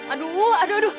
aduh aduh aduh